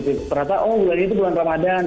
ternyata oh bulan ini tuh bulan ramadan